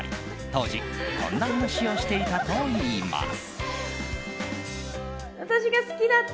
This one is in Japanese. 当時こんな話をしていたといいます。